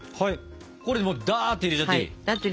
これもうダって入れちゃっていい？